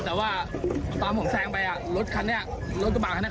แต่ว่าตอนนี่ตามผมแสงไป